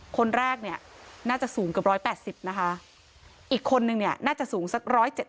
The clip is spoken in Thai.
คนแรกเนี่ยน่าจะสูงเกือบ๑๘๐นะคะอีกคนหนึ่งเนี่ยน่าจะสูงสัก๑๗๐